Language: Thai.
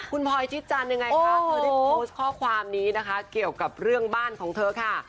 คุณพลอยชิดจันทร์ยังไงคะเธอได้โพสต์ข้อความนี้นะคะเกี่ยวกับเรื่องบ้านของเธอค่ะ